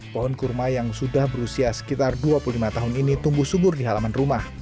pohon kurma yang sudah berusia sekitar dua puluh lima tahun ini tumbuh subur di halaman rumah